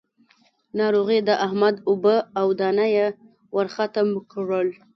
ناروغي د احمد اوبه او دانه يې ورختم کړل.